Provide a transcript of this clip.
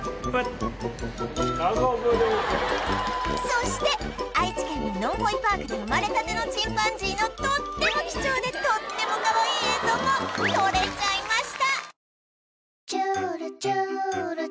そして愛知県ののんほいパークで生まれたてのチンパンジーのとっても貴重でとってもかわいい映像も撮れちゃいました